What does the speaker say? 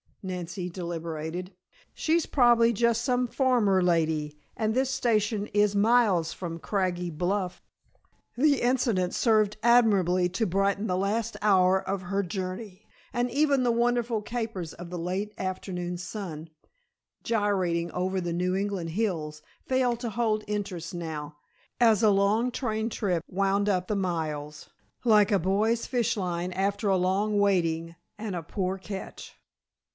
Nancy deliberated. "She's probably just some farmer lady, and this station is miles from Craggy Bluff." The incident served admirably to brighten the last hour of her journey, and even the wonderful capers of a late afternoon sun, gyrating over the New England hills, failed to hold interest now, as a long train trip wound up the miles, like a boy's fish line after a long waiting and a poor catch.